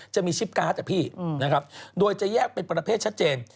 จะมีชิปการ์ดอะพี่นะครับโดยจะแยกเป็นประเภทชัดเจน